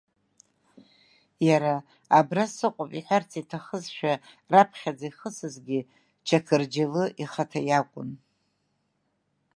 Иара, абра сыҟоуп иҳәарц иҭахызшәа раԥхьаӡа ихысызгьы Чақырџьалы ихаҭа иакәын.